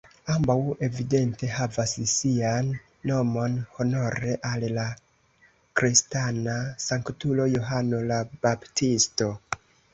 Ambaŭ evidente havas sian nomon honore al la kristana sanktulo Johano la Baptisto.